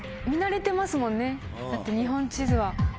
見慣れてますもんねだって日本地図は。